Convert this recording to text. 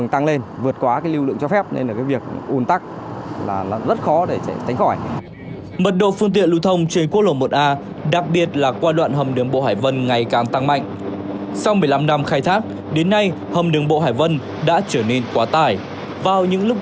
tăng mạnh sau một mươi năm năm khai thác đến nay hầm đường bộ hải vân đã trở nên quá tải vào những lúc